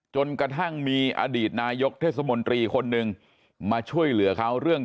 จนกระทั่งมีอดีตนายกเทศมนตรีคนหนึ่งมาช่วยเหลือเขาเรื่อง